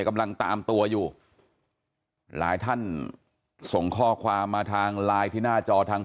กำลังตามตัวอยู่หลายท่านส่งข้อความมาทางไลน์ที่หน้าจอทาง